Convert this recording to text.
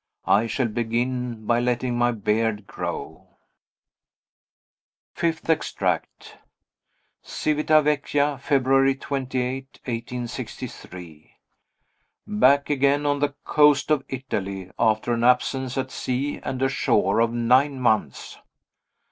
I shall begin by letting my beard grow. Fifth Extract. Civita Vecchia, February 28, 1863. Back again on the coast of Italy after an absence, at sea and ashore, of nine months!